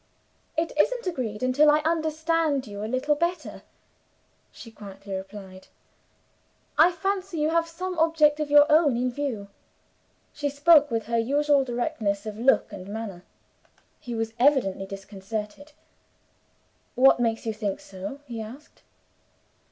"It isn't agreed until I understand you a little better," she quietly replied. "I fancy you have some object of your own in view." She spoke with her usual directness of look and manner. He was evidently disconcerted. "What makes you think so?" he asked.